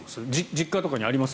実家とかにあります？